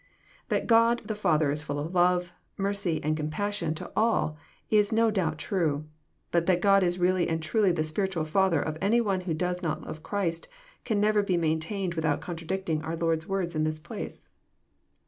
That God the Father is fUll of love, mercy, and compassion to all is no doubt true. But that God is really and truly the spiritual Father of any one who does not love Christ can never be maintained without contradicting our Lord's words in this place.